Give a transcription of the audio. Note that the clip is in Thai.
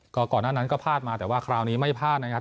ก็ก่อนหน้านั้นก็พลาดมาแต่ว่าคราวนี้ไม่พลาดนะครับ